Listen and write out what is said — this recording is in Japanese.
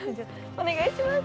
お願いします！